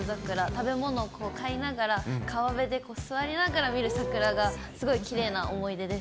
食べ物を買いながら、川辺で座りながら見る桜が、すごいきれいな思い出です。